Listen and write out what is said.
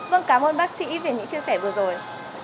vâng cảm ơn bác sĩ về những chia sẻ vừa rồi